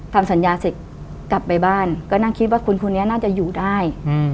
ทำสัญญาเสร็จกลับไปบ้านก็นั่งคิดว่าคุณคนนี้น่าจะอยู่ได้